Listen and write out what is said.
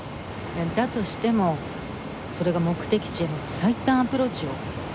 だとしてもそれが目的地への最短アプローチよ。